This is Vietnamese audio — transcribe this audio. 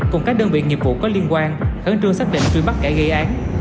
cùng các đơn vị nghiệp vụ có liên quan khẳng trương xác định truy bắt gãi gây án